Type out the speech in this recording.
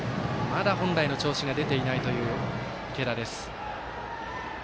まだ本来の調子が出ていないという池田。